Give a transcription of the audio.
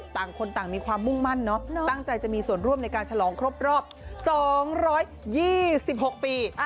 ต่างคนต่างมีความมุ่งมั่นเนอะตั้งใจจะมีส่วนร่วมในการฉลองครบรอบ๒๒๖ปี